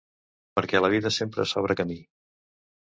Perquè la vida sempre s'obre camí.